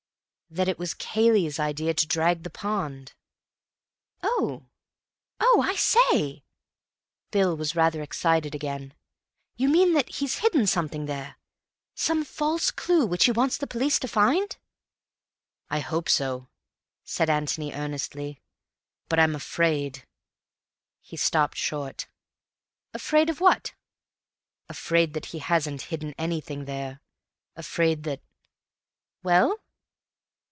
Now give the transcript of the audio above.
"That it was Cayley's idea to drag the pond." "Oh! Oh, I say!" Bill was rather excited again. "You mean that he's hidden something there? Some false clue which he wants the police to find?" "I hope so," said Antony earnestly, "but I'm afraid—" He stopped short. "Afraid of what?" "Afraid that he hasn't hidden anything there. Afraid that—" "Well?"